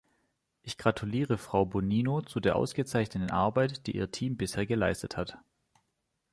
Ich gratuliere Frau Bonino zu der ausgezeichneten Arbeit, die ihr Team bisher geleistet hat.